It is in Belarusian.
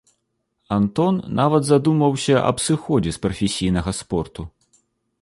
Антон нават задумваўся аб сыходзе з прафесійнага спорту.